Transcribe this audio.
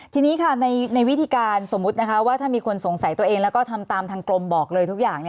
ทีนี้ค่ะในวิธีการสมมุตินะคะว่าถ้ามีคนสงสัยตัวเองแล้วก็ทำตามทางกรมบอกเลยทุกอย่าง